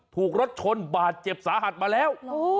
ถูกรถชนบาดเจ็บสาหัสมาแล้ว